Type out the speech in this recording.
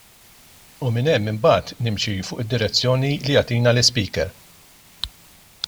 U minn hemm imbagħad nimxi fuq id-direzzjoni li jagħtina l-iSpeaker.